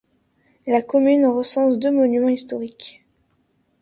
La commune recense deux monuments historiques.